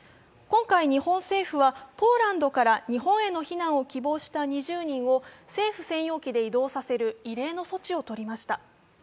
今回、日本政府はポーランドから日本へ避難を希望した２０人を政府専用機で移動させる異例の措置をとりました。